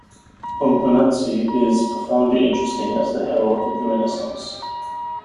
Pomponazzi is profoundly interesting as the herald of the Renaissance.